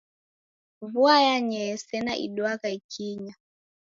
Vua yanyee sena iduagha ikinya.